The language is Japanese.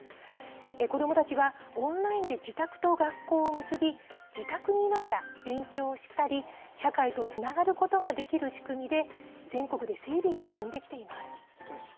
子どもたちはオンラインで自宅と学校を結び、自宅にいながら、勉強をしたり、社会とつながることができる仕組みで、全国で整備が進んできています。